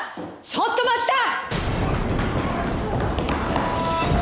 ちょっと待った！！